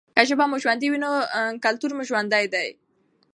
که ژبه مو ژوندۍ وي نو کلتور مو ژوندی دی.